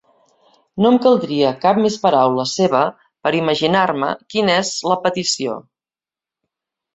No em caldria cap més paraula seva per imaginar-me quina és la petició.